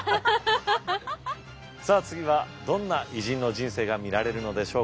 さあ次はどんな偉人の人生が見られるのでしょうか？